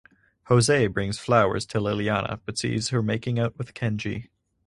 Jose brings flowers to Liliana but sees her making out with Kenji.